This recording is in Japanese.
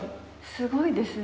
すごいですね。